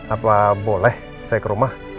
apa boleh saya ke rumah